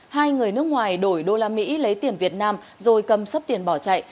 hai người nước ngoài đổi đô la mỹ lấy tiền việt nam rồi cầm sắp tiền bỏ chạy